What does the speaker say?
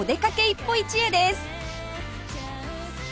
一歩一会です